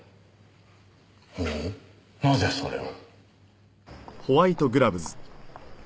ほうなぜそれを？